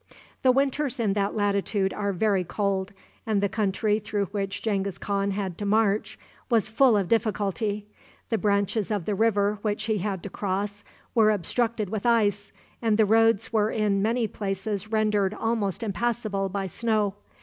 The winters in that latitude are very cold, and the country through which Genghis Khan had to march was full of difficulty. The branches of the river which he had to cross were obstructed with ice, and the roads were in many places rendered almost impassable by snow.